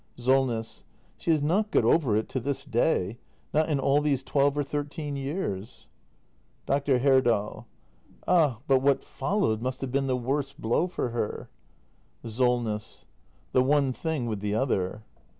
Solness. She has not got over it to this day — not in all these twelve or thirteen years. act i] THE MASTER BUILDER 283 Dr. Herdal. Ah, but what followed must have been the worst blow for her. Solness. The one thing with the other.